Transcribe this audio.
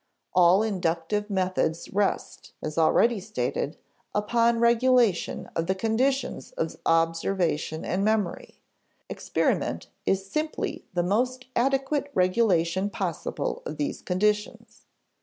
All inductive methods rest (as already stated, p. 85) upon regulation of the conditions of observation and memory; experiment is simply the most adequate regulation possible of these conditions.